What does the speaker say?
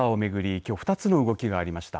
きょう２つの動きがありました。